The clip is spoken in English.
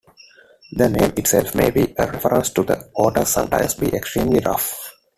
The name itself may be a reference to the waters sometimes being extremely rough.